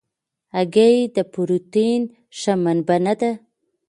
هګۍ د پروټین ښه منبع نه ده.